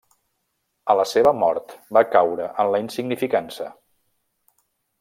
A la seva mort va caure en la insignificança.